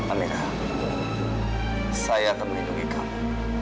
aneh saya akan melindungi kamu